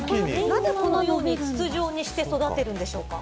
なぜ、このように筒状にして育てるんでしょうか？